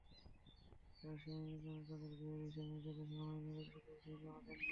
তাঁরা সেই নির্বাচনে তাঁদের ব্যয়ের হিসাব নির্ধারিত সময়ে নির্বাচন কমিশনে জমা দেননি।